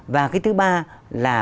và cái thứ ba là